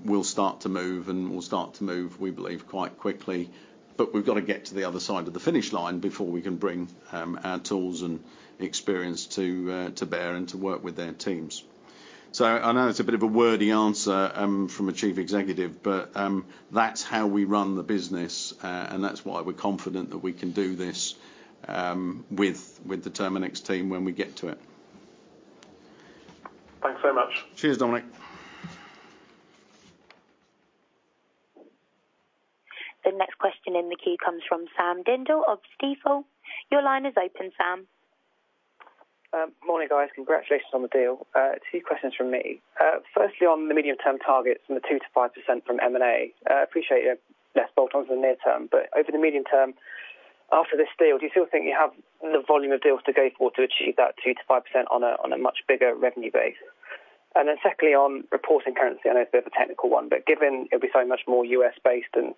will start to move, we believe quite quickly. We've got to get to the other side of the finish line before we can bring our tools and experience to bear and to work with their teams. I know it's a bit of a wordy answer from a chief executive, but that's how we run the business and that's why we're confident that we can do this with the Terminix team when we get to it. Thanks so much. Cheers, Dominic. The next question in the queue comes from Sam Dindol of Stifel. Your line is open, Sam. Morning, guys. Congratulations on the deal. Two questions from me. Firstly, on the medium-term targets from the 2%-5% from M&A. Appreciate you have less bolt-ons in the near term, but over the medium term, after this deal, do you still think you have the volume of deals to go forward to achieve that 2%-5% on a much bigger revenue base? Secondly, on reporting currency, I know it's a bit of a technical one, but given it'll be so much more U.S.-based and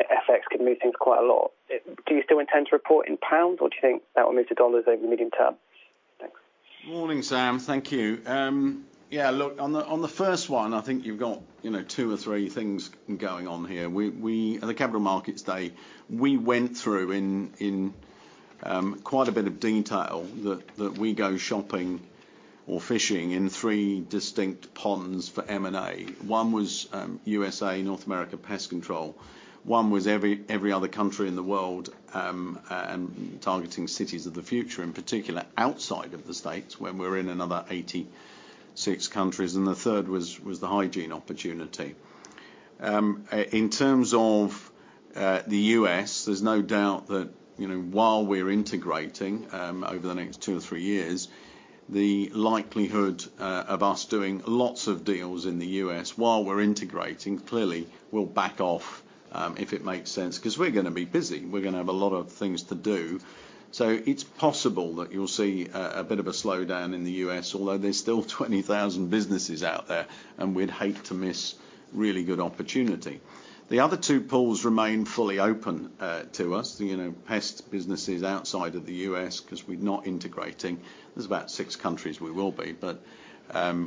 FX can move things quite a lot, do you still intend to report in pounds, or do you think that will move to dollars over the medium term? Thanks. Morning, Sam. Thank you. Yeah, look, on the first one, I think you've got, you know, two or three things going on here. At the Capital Markets Day, we went through quite a bit of detail that we go shopping or fishing in three distinct ponds for M&A. One was U.S.A., North America pest control. One was every other country in the world and targeting cities of the future, in particular outside of the States, when we're in another 86 countries. The third was the hygiene opportunity. In terms of the U.S., there's no doubt that, you know, while we're integrating over the next two or three years, the likelihood of us doing lots of deals in the U.S. while we're integrating, clearly we'll back off if it makes sense, 'cause we're gonna be busy. We're gonna have a lot of things to do. It's possible that you'll see a bit of a slowdown in the U.S., although there's still 20,000 businesses out there, and we'd hate to miss really good opportunity. The other two pools remain fully open to us. You know, pest businesses outside of the U.S., 'cause we're not integrating. There's about six countries we will be, but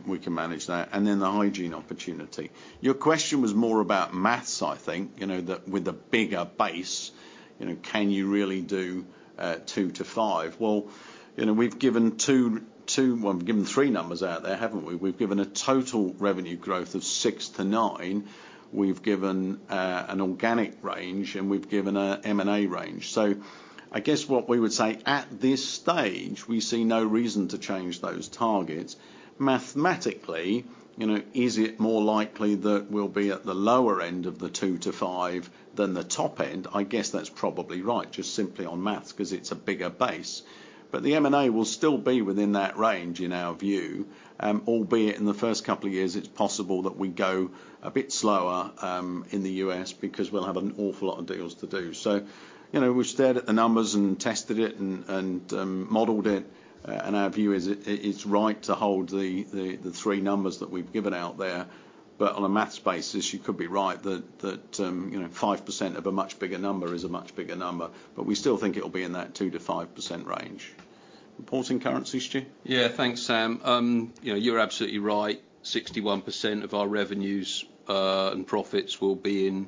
we can manage that. The hygiene opportunity. Your question was more about math, I think, you know, that with the bigger base, you know, can you really do 2%-5%? Well, you know, we've given two, well, we've given three numbers out there, haven't we? We've given a total revenue growth of 6%-9%. We've given an organic range, and we've given a M&A range. So I guess what we would say at this stage, we see no reason to change those targets. Mathematically, you know, is it more likely that we'll be at the lower end of the 2%-5% than the top end? I guess that's probably right, just simply on math, because it's a bigger base. But the M&A will still be within that range in our view. Albeit in the first couple of years, it's possible that we go a bit slower in the U.S. because we'll have an awful lot of deals to do. You know, we stared at the numbers and tested it and modeled it, and our view is it's right to hold the three numbers that we've given out there. On a math basis, you could be right that you know, 5% of a much bigger number is a much bigger number. We still think it will be in that 2%-5% range. Reporting currencies, Stuart? Yeah. Thanks, Sam. You know, you're absolutely right. 61% of our revenues and profits will be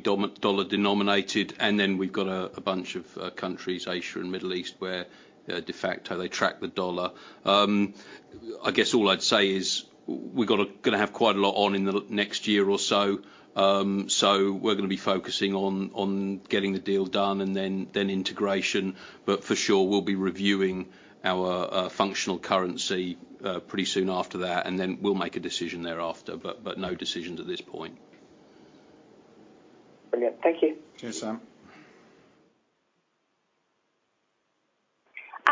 dollar denominated, and then we've got a bunch of countries, Asia and Middle East, where de facto they track the dollar. I guess all I'd say is we're gonna have quite a lot on in the next year or so. We're gonna be focusing on getting the deal done and then integration. For sure, we'll be reviewing our functional currency pretty soon after that, and then we'll make a decision thereafter, but no decisions at this point. Brilliant. Thank you. Cheers, Sam.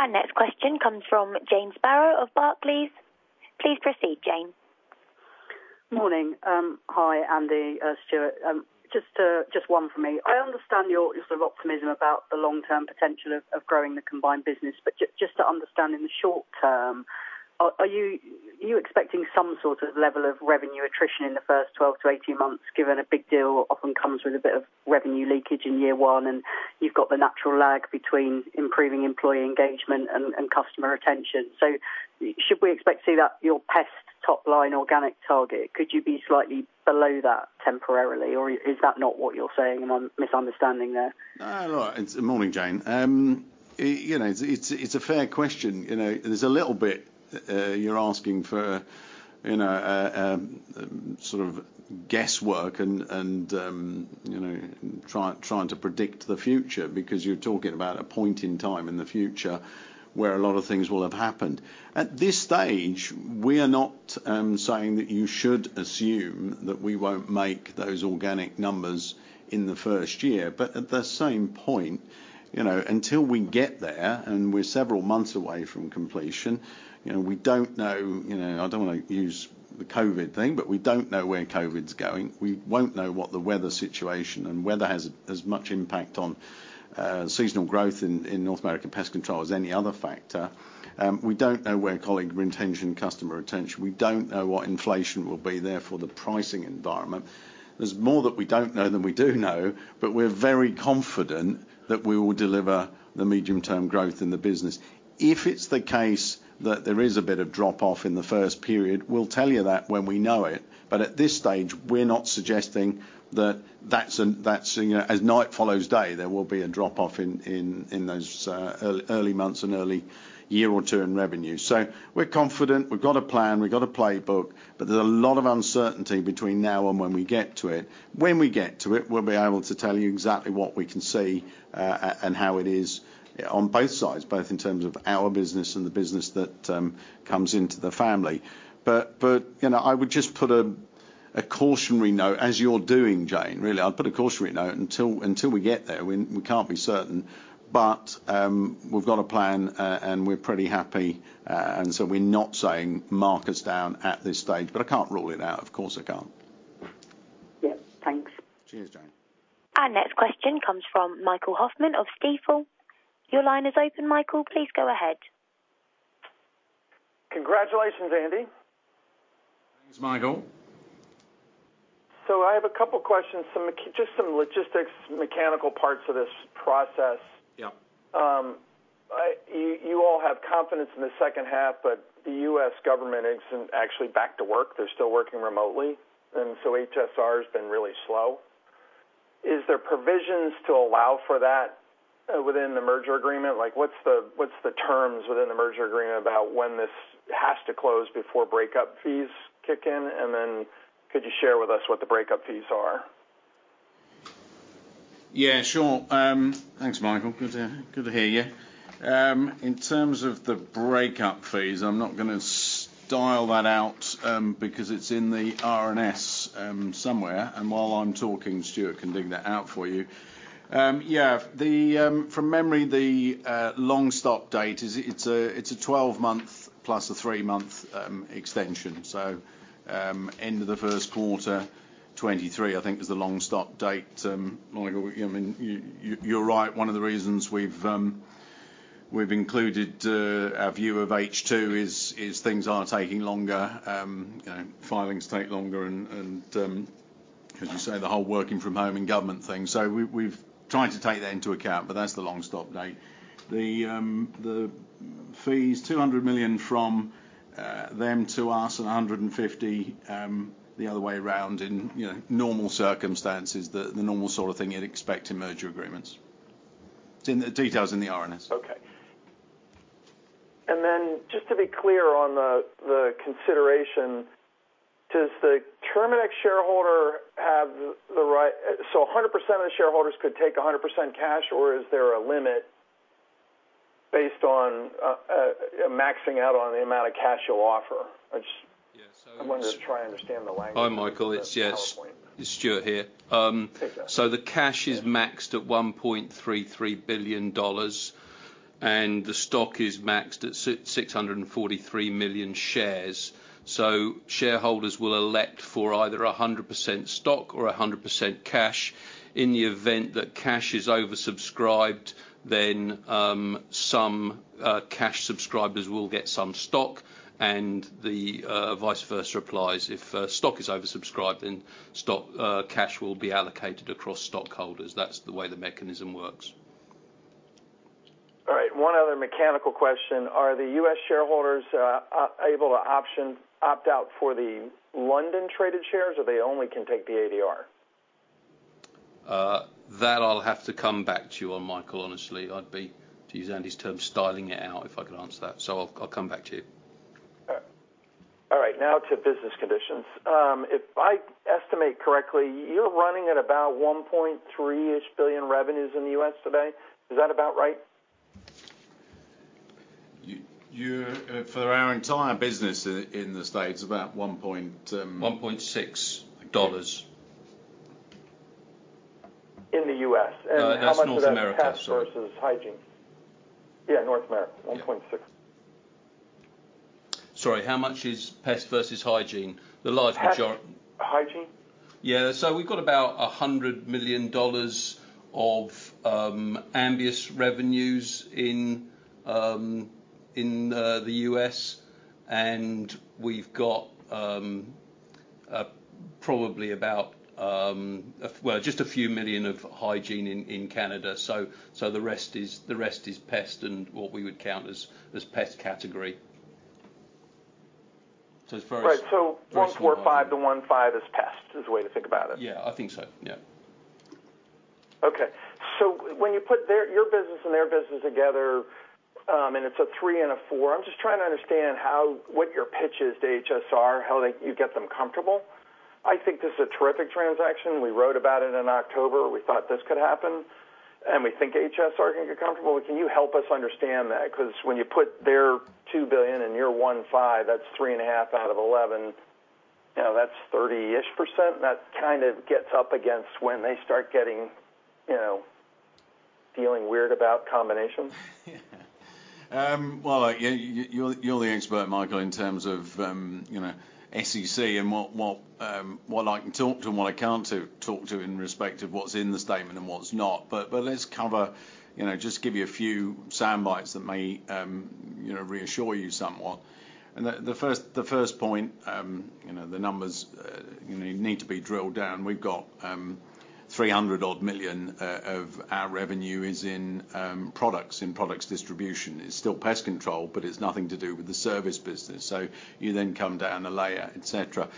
Our next question comes from Jane Sparrows of Barclays. Please proceed, James. Morning. Hi, Andy, Stuart. Just one for me. I understand your sort of optimism about the long-term potential of growing the combined business, but just to understand in the short term, are you expecting some sort of level of revenue attrition in the first 12 to 18 months, given a big deal often comes with a bit of revenue leakage in year one, and you've got the natural lag between improving employee engagement and customer retention. Should we expect to see that your pest top line organic target, could you be slightly below that temporarily? Or is that not what you're saying and I'm misunderstanding there? Right. Morning, Jane. You know, it's a fair question, you know. There's a little bit you're asking for, you know, sort of guesswork and you know, trying to predict the future because you're talking about a point in time in the future where a lot of things will have happened. At this stage, we are not saying that you should assume that we won't make those organic numbers in the first year. At the same point, you know, until we get there, and we're several months away from completion, you know, we don't know, you know. I don't wanna use the COVID thing, but we don't know where COVID's going. We won't know what the weather situation is. Weather has much impact on seasonal growth in North American pest control as any other factor. We don't know where colleague retention, customer retention. We don't know what inflation will be, therefore the pricing environment. There's more that we don't know than we do know, but we're very confident that we will deliver the medium-term growth in the business. If it's the case that there is a bit of drop-off in the first period, we'll tell you that when we know it. At this stage, we're not suggesting that that's, you know, as night follows day, there will be a drop-off in those early months and early year or two in revenue. We're confident. We've got a plan. We've got a playbook, but there's a lot of uncertainty between now and when we get to it. When we get to it, we'll be able to tell you exactly what we can see, and how it is on both sides, both in terms of our business and the business that comes into the family. You know, I would just put a cautionary note, as you're doing, Jane. Really, I'd put a cautionary note until we get there. We can't be certain, but we've got a plan and we're pretty happy. We're not saying mark us down at this stage, but I can't rule it out. Of course I can't. Yep. Thanks. Cheers, Jane. Our next question comes from Michael Hoffman of Stifel. Your line is open, Michael. Please go ahead. Congratulations, Andy. Thanks, Michael. I have a couple questions, just some logistics, mechanical parts of this process. Yeah. You all have confidence in the second half, but the U.S. government isn't actually back to work. They're still working remotely, and so HSR has been really slow. Is there provisions to allow for that within the merger agreement? Like, what's the terms within the merger agreement about when this has to close before breakup fees kick in? And then could you share with us what the breakup fees are? Yeah, sure. Thanks, Michael. Good to hear you. In terms of the breakup fees, I'm not gonna spell that out, because it's in the RNS, somewhere. While I'm talking, Stuart can dig that out for you. Yeah. From memory, the long stop date is a 12-month plus a 3-month extension. End of the first quarter 2023, I think, is the long stop date. Michael, I mean, you're right. One of the reasons we've included our view of H2 is things are taking longer. You know, filings take longer and, as you say, the whole working from home and government thing. We’ve tried to take that into account, but that's the long stop date. The fees, 200 million from them to us and 150 million the other way around. In you know normal circumstances, the normal sort of thing you'd expect in merger agreements. It's in the details in the RNS. Okay. Just to be clear on the consideration, 100% of the shareholders could take 100% cash, or is there a limit based on maxing out on the amount of cash you'll offer? Yes. I'm wondering to try to understand the language in the PowerPoint. Hi, Michael. Yes, it's Stuart here. Take that. The cash is maxed at $1.33 billion, and the stock is maxed at 643 million shares. Shareholders will elect for either 100% stock or 100% cash. In the event that cash is oversubscribed, some cash subscribers will get some stock and the vice versa applies. If stock is oversubscribed, cash will be allocated across stockholders. That's the way the mechanism works. All right. One other mechanical question. Are the U.S. shareholders able to opt out for the London traded shares, or they only can take the ADR? That I'll have to come back to you on, Michael. Honestly, I'd be, to use Andy's term, styling it out if I could answer that. I'll come back to you. All right. Now to business conditions. If I estimate correctly, you're running at about $1.3 billion-ish revenues in the U.S. today. Is that about right? For our entire business in the States, about one point $1.6 In the U.S. No, that's North America. Sorry. How much of that is pest versus hygiene? Yeah, North America. $1.6. Sorry. How much is pest versus hygiene? The large majority- Hygiene? Yeah. We've got about $100 million of Ambius revenues in the U.S., and we've got probably about, well, just a few million of Hygiene in Canada. The rest is pest and what we would count as pest category. It's very s- Right. 145, the 15 is pest is the way to think about it? Yeah, I think so. Yeah. Okay. When you put your business and their business together, and it's a 3 and a 4, I'm just trying to understand what your pitch is to HSR, how, like, you get them comfortable. I think this is a terrific transaction. We wrote about it in October. We thought this could happen, and we think HSR can get comfortable. Can you help us understand that? 'Cause when you put their $2 billion and your $1.5 billion, that's $3.5 billion out of $11 billion. You know, that's 30-ish%. That kind of gets up against when they start getting, you know, feeling weird about combinations. Well, you're the expert, Michael, in terms of, you know, SEC and what I can talk to and what I can't talk to in respect of what's in the statement and what's not. Let's cover, you know, just give you a few sound bites that may, you know, reassure you somewhat. The first point, you know, the numbers need to be drilled down. We've got 300-odd million of our revenue in products, in products distribution. It's still pest control, but it's nothing to do with the service business. So you then come down a layer, etc.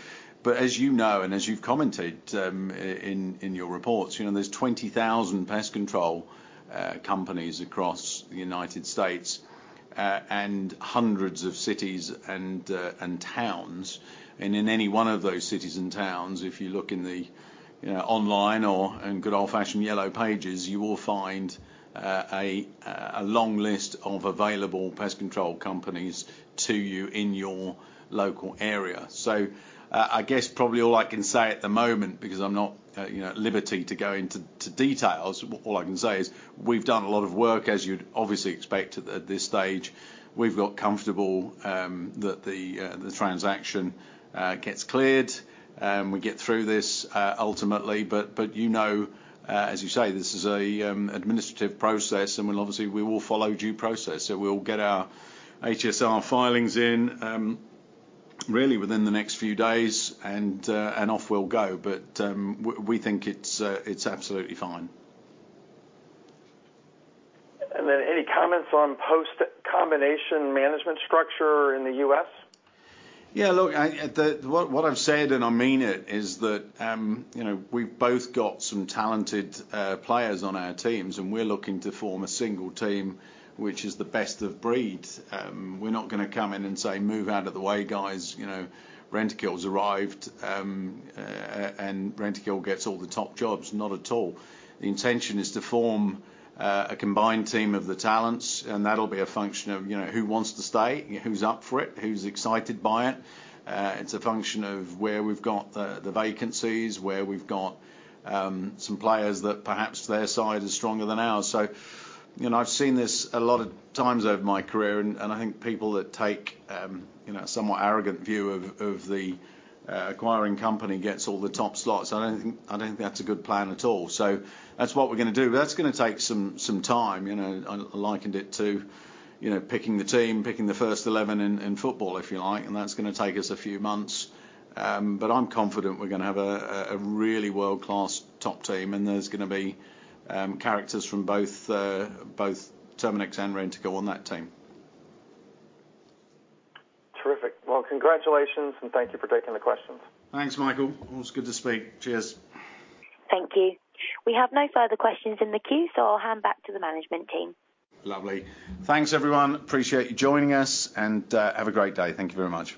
As you know, and as you've commented in your reports, you know, there's 20,000 pest control companies across the United States and hundreds of cities and towns. In any one of those cities and towns, if you look in the you know online or in good old-fashioned Yellow Pages, you will find a long list of available pest control companies to you in your local area. I guess probably all I can say at the moment, because I'm not you know at liberty to go into details, all I can say is we've done a lot of work, as you'd obviously expect at this stage. We've got comfortable that the transaction gets cleared, we get through this ultimately. You know, as you say, this is an administrative process and we'll obviously follow due process. We'll get our HSR filings in really within the next few days, and off we'll go. We think it's absolutely fine. Any comments on post-combination management structure in the U.S.? Yeah, look, what I've said, and I mean it, is that, you know, we've both got some talented players on our teams, and we're looking to form a single team, which is the best of breed. We're not gonna come in and say, "Move out of the way, guys," you know, "Rentokil's arrived, and Rentokil gets all the top jobs." Not at all. The intention is to form a combined team of the talents, and that'll be a function of, you know, who wants to stay, who's up for it, who's excited by it. It's a function of where we've got the vacancies, where we've got some players that perhaps their side is stronger than ours. You know, I've seen this a lot of times over my career, and I think people that take a somewhat arrogant view of the acquiring company gets all the top slots. I don't think that's a good plan at all. That's what we're gonna do. That's gonna take some time. You know, I likened it to picking the team, picking the first eleven in football, if you like, and that's gonna take us a few months. I'm confident we're gonna have a really world-class top team, and there's gonna be characters from both Terminix and Rentokil on that team. Terrific. Well, congratulations, and thank you for taking the questions. Thanks, Michael. Always good to speak. Cheers. Thank you. We have no further questions in the queue, so I'll hand back to the management team. Lovely. Thanks, everyone. Appreciate you joining us, and have a great day. Thank you very much.